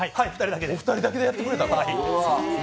お二人だけでやってくれたの！？